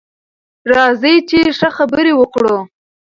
راځئ چې ښه خبرې وکړو.